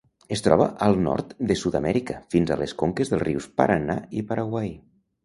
Es troba al nord de Sud-amèrica fins a les conques dels rius Paranà i Paraguai.